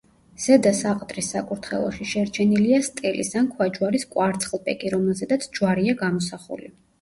ზედა საყდრის საკურთხეველში შერჩენილია სტელის ან ქვაჯვარის კვარცხლბეკი, რომელზედაც ჯვარია გამოსახული.